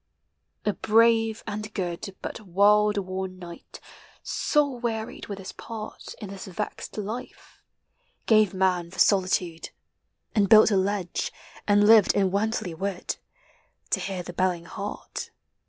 A brave and good, But world worn knight — soul wearied with his part In this vexed life — gave man for solitude, And built a lodge, and lived in Wantley wood, To hear the belling hart.